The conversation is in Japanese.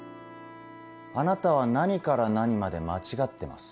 あなたは何から何まで間違ってます。